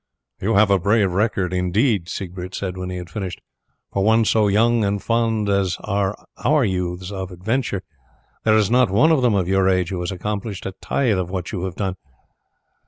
"You have a brave record, indeed," Siegbert said when he had finished, "for one so young; and fond as are our youths of adventure there is not one of them of your age who has accomplished a tithe of what you have done.